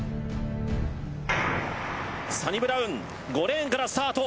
サニブラウン５レーンからスタート。